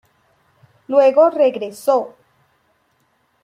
Luego regresó